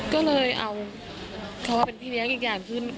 ก็เลยเอาเขามาเป็นพี่เลี้ยงอีกอย่างขึ้น